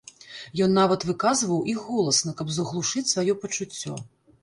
Ён нават выказваў іх голасна, каб заглушыць сваё пачуццё.